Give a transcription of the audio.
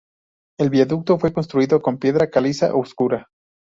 El viaducto fue construido con piedra caliza oscura.